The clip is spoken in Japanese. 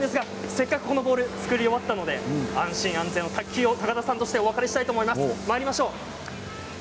せっかくこのボールを作ったということなので安心安全の卓球をして高田さんお別れしたいと思います。